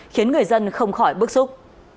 khiến người dân không khỏi bức xúc